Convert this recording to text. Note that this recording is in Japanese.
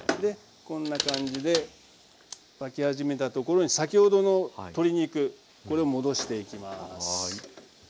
こんな感じで沸き始めたところに先ほどの鶏肉これ戻していきます。